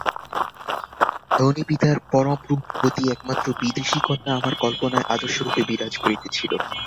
ধনী পিতার পরমরূপবতী একমাত্র বিদুষী কন্যা আমার কল্পনায় আদর্শরূপে বিরাজ করিতেছিল।